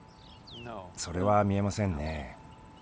それは見えませんね。